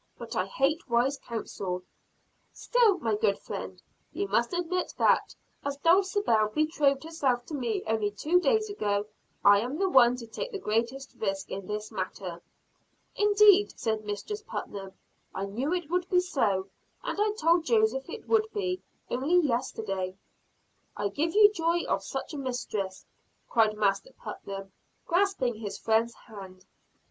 "But I hate wise counsel." "Still, my good friend, you must admit that, as Dulcibel betrothed herself to me only two days ago, I am the one to take the greatest risk in this matter." "Indeed!" said Mistress Putnam. "I knew it would be so; and I told Joseph it would be, only yesterday." "I give you joy of such a mistress!" cried Master Putnam, grasping his friend's hand.